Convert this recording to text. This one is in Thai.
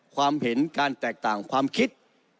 ความเห็นการแตกต่างความคิด